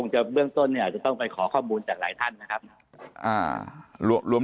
เบื้องต้นเนี่ยอาจจะต้องไปขอข้อมูลจากหลายท่านนะครับ